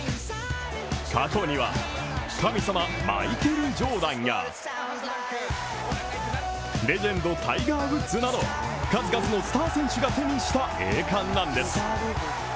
過去には神様、マイケル・ジョーダンやレジェンド、タイガー・ウッズなど数々のスター選手が手にした栄冠なんです。